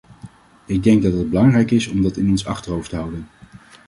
Ik denk dat het belangrijk is om dat in ons achterhoofd te houden.